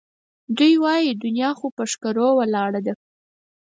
دوی وایي دنیا خو پهٔ ښکرو ولاړه ده